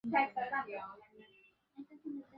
উভয় পক্ষ হইতেই ললিতার সঙ্গে বিবাহের কোনো প্রসঙ্গই উঠিল না।